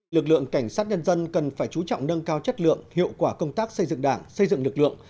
lực lượng cảnh sát nhân dân cần phải chú trọng nâng cao chất lượng hiệu quả công tác xây dựng đảng xây dựng lực lượng